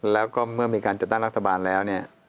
แล้วก็เมื่อมีการจัดตั้งรัฐบาลแล้วเนี่ย